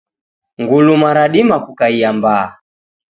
Nguluma radima kukaia mbaa.